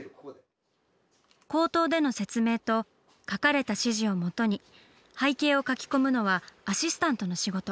口頭での説明と書かれた指示をもとに背景を描き込むのはアシスタントの仕事。